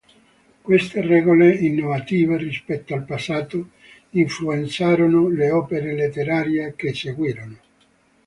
Queste regole, innovative rispetto al passato, influenzarono le opere letterarie che seguirono.